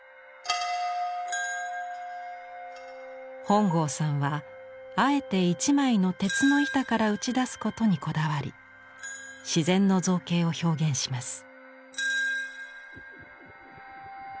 本郷さんはあえて一枚の鉄の板から打ち出すことにこだわり自然の造形を表現します。